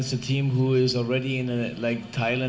แล้วพวกเขาก็จะแทบกัน